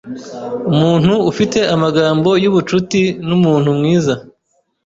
umuntu ufite amagambo yubucuti numuntu mwiza